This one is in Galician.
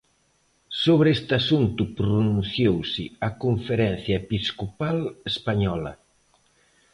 Sobre este asunto pronunciouse a Conferencia Episcopal Española.